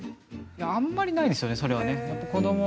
あまりないですね、それは。